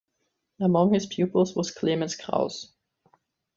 Among his pupils was Clemens Krauss.